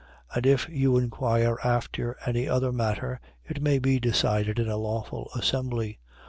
19:39. And if you inquire after any other matter, it may be decided in a lawful assembly.